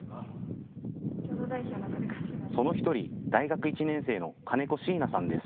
その１人、大学１年生の金子詩奈さんです。